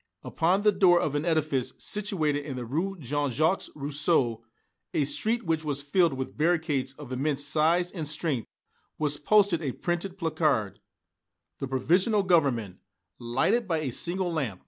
Upon the door of an edifice situated in the Rue Jean Jacques Rousseau a street which was filled with barricades of immense size and strength was posted a printed placard, "The Provisional Government," lighted by a single lamp.